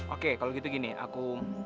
oke kalau gitu gini aku